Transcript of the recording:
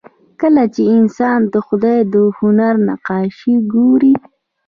کله چې انسان د خدای د هنر نقاشي ګوري